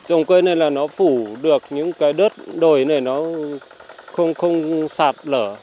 trồng cây này là nó phủ được những cái đất đồi này nó không sạt lở